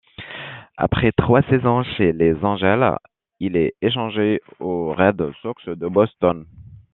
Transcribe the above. Après trois saisons chez les Angels, il est échangé aux Red Sox de Boston.